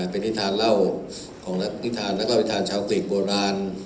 เป็นนิทานเล่าของนักนิทานนักเล่านิทานชาวกรีกโบราณ